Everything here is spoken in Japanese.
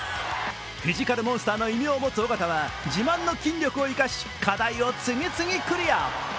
フィジカルモンスターの異名を持つ緒方は自慢の筋力を生かし課題を次々、クリア。